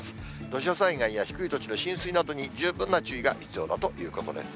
土砂災害や低い土地の浸水などに十分な注意が必要だということです。